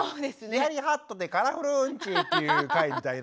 「ヒヤリハットでカラフルうんち」っていう回みたいなね。